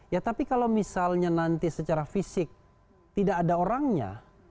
ya tapi kalau misalnya nanti secara fisik tidak ada orangnya